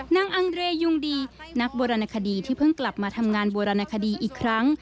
นางอังเรยุงดีนักโบราณคดีที่เพิ่งกลับมาทำงานบูรณคดีอีกครั้ง